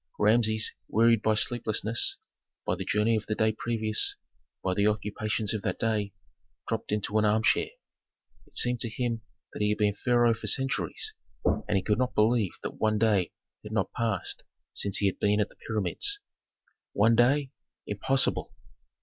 Rameses, wearied by sleeplessness, by the journey of the day previous, by the occupations of that day, dropped into an armchair. It seemed to him that he had been pharaoh for centuries, and he could not believe that one day had not passed since he had been at the pyramids. "One day? Impossible!"